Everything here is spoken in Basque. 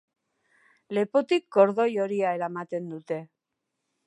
Lepotik kordoi horia eramaten dute.